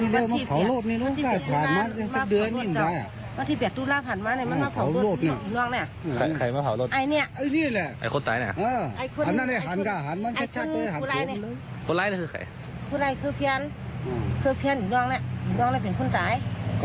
เลยจากนี้มันมาขอโทษแล้วก็เจราะทีจำหน่วยแล้ว